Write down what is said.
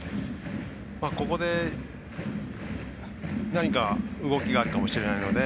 ここで何か動きがあるかもしれないので。